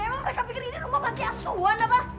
emang mereka pikir ini rumah bantai asuhan apa